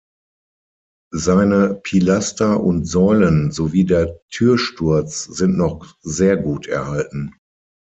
Seine Pilaster und Säulen sowie der Türsturz sind noch sehr gut erhalten.